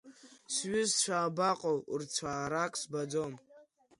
Сҩызцәа абаҟоу, рцәаарак збаӡом.